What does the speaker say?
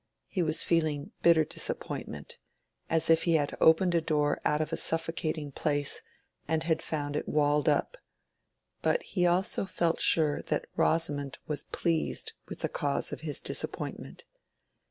He was feeling bitter disappointment, as if he had opened a door out of a suffocating place and had found it walled up; but he also felt sure that Rosamond was pleased with the cause of his disappointment.